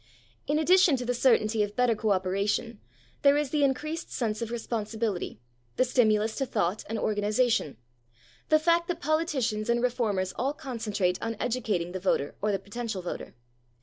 In addition to the certainty of better co operation, there is the increased sense of responsibility, the stimulus to thought and organisation, the fact that politicians and reformers all concentrate on educating the voter or the potential voter.